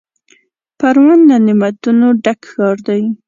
پروان له نعمتونو ډک ښار دی.